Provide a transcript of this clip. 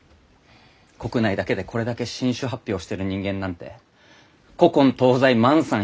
国内だけでこれだけ新種発表してる人間なんて古今東西万さん